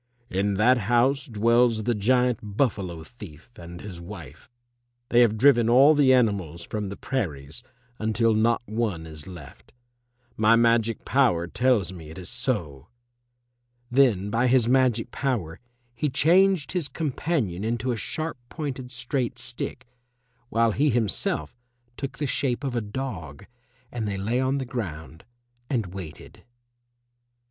"In that house dwells the giant Buffalo thief and his wife. They have driven all the animals from the prairies until not one is left. My magic power tells me it is so!" Then by his magic power he changed his companion into a sharp pointed straight stick, while he himself took the shape of a dog, and they lay on the ground and waited.